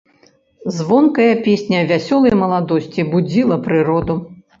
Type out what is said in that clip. Звонкая песня вясёлай маладосці будзіла прыроду.